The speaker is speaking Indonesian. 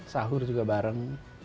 sahur juga bareng